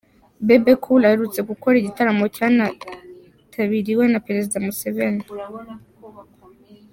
Bebe Cool aherutse gukora igitaramo cyanitabiriwe na Perezida Museveni.